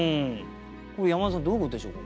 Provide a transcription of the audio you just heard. これ山田さんどういうことでしょうか